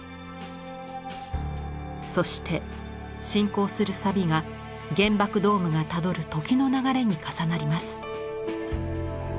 そして進行するサビが原爆ドームがたどる時の流れに重なります。